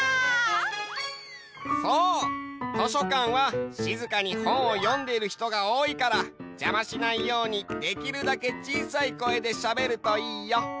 そう！としょかんはしずかにほんをよんでいるひとがおおいからじゃましないようにできるだけちいさい声でしゃべるといいよ。